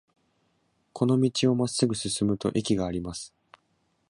この道をまっすぐ進むと駅があります。